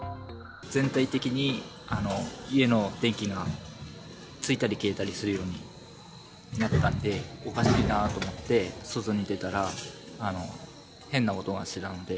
全体的に、家の電気がついたり消えたりするようになったので、おかしいなと思って、外に出たら、変な音がしてたので。